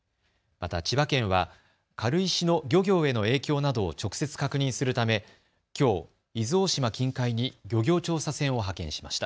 また千葉県は軽石の漁業への影響などを直接確認するためきょう伊豆大島近海に漁業調査船を派遣しました。